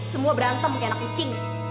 semua berantem mungkin anak kucing